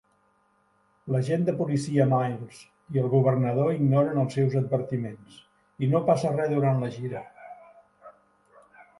L'agent de policia Mills i el governador ignoren els seus advertiments, i no passa res durant la gira.